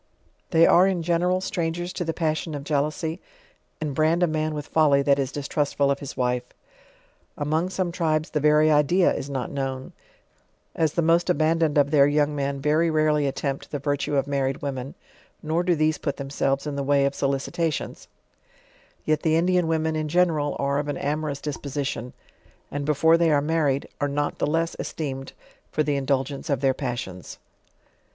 They are, in genera), strangers to the passion of jealousy, and brand a man with folly that is distrustful of his wife. Among some tribes the very idea is not known; ae the most abandoned of their young men very rarely attempt the vif tue of married women, nor do these put themselves in the wiy of BO icitation^; yet, the Indian women in general, are of an amorou? disposition; and before they are married i2 JOURNAL OF are not the lees esteemed for the indulgence of their pas sions.